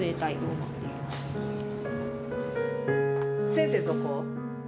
先生どこ？